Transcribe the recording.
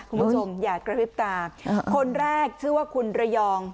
คุณผู้ชมอย่ากระพริบตาคนแรกชื่อว่าคุณระยอง